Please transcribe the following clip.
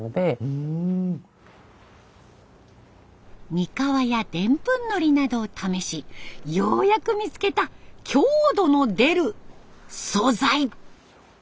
にかわやデンプンのりなどを試しようやく見つけた強度の出る素材。